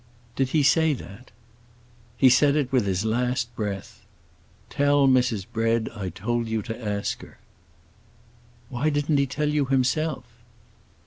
"Did he say that?" "He said it with his last breath—'Tell Mrs. Bread I told you to ask her.'" "Why didn't he tell you himself?"